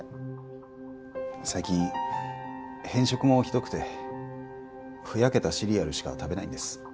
最近偏食もひどくてふやけたシリアルしか食べないんです。